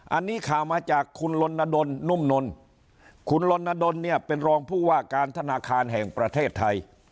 อันนี้ข่าวมาจากคุณลนดลนุ่มนนคุณลนดลเนี่ยเป็นรองผู้ว่าการธนาคารแห่งประเทศไทย